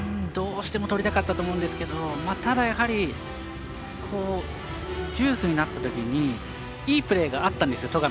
どうしても取りたかったと思うんですがただ、やはりデュースになったときにいいプレーがあったんですよ。